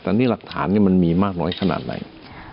แต่นี่หลักฐานมันมีมากน้อยขนาดไหน